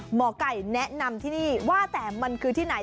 หมอไก่แนะนำที่นี่ว่าแต่มันคือที่ไหน